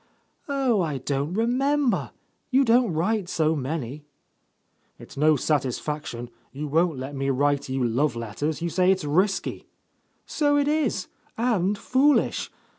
"Oh, I don't remember! You don't write so many." 64 A Lost Lady "It's no satisfaction. You won't let me write you love letters. You say it's risky.'' "So it is, and foolish.